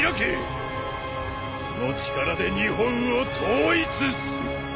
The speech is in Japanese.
その力で日本を統一する。